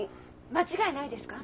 間違いないですか？